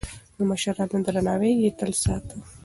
د مشرانو درناوی يې تل ساته.